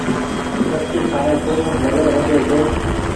مڇي کآئي سون نزر وڌي ڇي۔